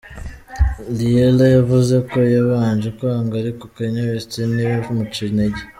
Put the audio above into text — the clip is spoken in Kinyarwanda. Leyla yavuze ko yabanje kwanga ariko Kanye West ntibimuce intege.